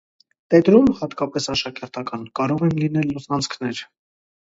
Տետրում (հատկապես աշակերտական), կարող են լինել լուսանցքներ։